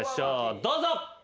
どうぞ。